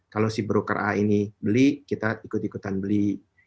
kalau si broker a ini beli kita ikut ikutan beli